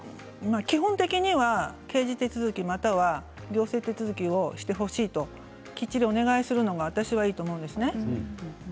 基本的には刑事手続または行政手続をしてほしいときっちりお願いするのが私はいいと思います。